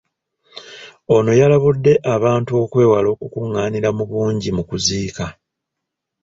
Ono yalabudde abantu okwewala okukungaanira mu bungi mu kuziika.